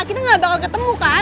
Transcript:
kita gak bakal ketemu kan